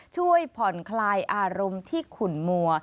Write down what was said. ช่วยผ่อนคลายอารมณ์ที่ขุนมัว